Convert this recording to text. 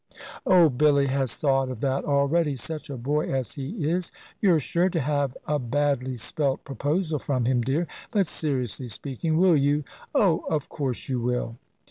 "Oh, Billy has thought of that already such a boy as he is. You're sure to have a badly spelt proposal from him, dear. But seriously speaking, will you, oh, of course you will."